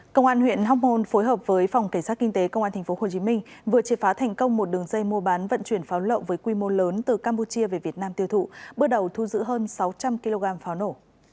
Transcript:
công an huyện hóc hôn phối hợp với phòng cảnh sát kinh tế công an tp hcm vừa triệt phá thành công một đường dây mua bán vận chuyển pháo lậu với quy mô lớn từ campuchia về việt nam tiêu thụ bước đầu thu giữ hơn sáu trăm linh kg pháo nổ